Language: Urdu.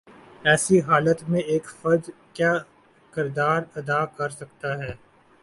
ایسی حالت میں ایک فرد کیا کردار ادا کر سکتا ہے؟